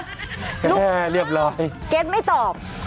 รูปคุณครับเกรทไม่ตอบ